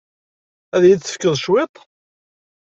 Ad iyi-d-tefkeḍ cwiṭ?